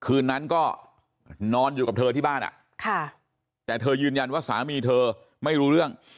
คืนนั้นก็นอนอยู่กับเธอที่บ้านแต่เธอยืนยันว่าสามีเธอไม่รู้เรื่อง